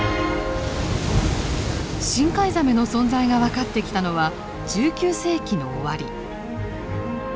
深海ザメの存在が分かってきたのは１９世紀の終わり。